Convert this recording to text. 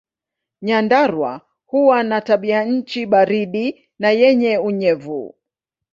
Nyandarua huwa na tabianchi baridi na yenye unyevu.